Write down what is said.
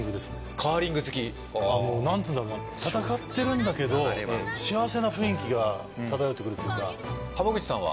カーリング好き何ていうんだろな戦ってるんだけど幸せな雰囲気が漂ってくるというか浜口さんは？